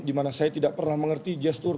dimana saya tidak pernah mengerti gestur